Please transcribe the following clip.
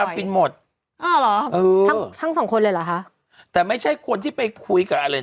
อ่าเหรอถ้างสองคนเลยเหรอคะแต่ไม่ใช่คนที่ไปคุยกับอะไร